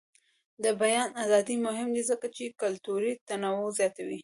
د بیان ازادي مهمه ده ځکه چې کلتوري تنوع زیاتوي.